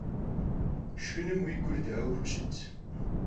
Şşxınım vui gur daue xuşıt?